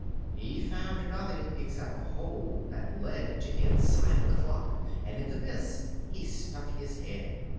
He found nothing except a hole that led to the inside of the clock, and into this he stuck his head.